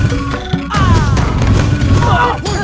jangan seminergi itu